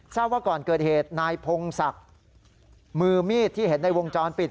ทราบว่าก่อนเกิดเหตุนายพงศักดิ์มือมีดที่เห็นในวงจรปิด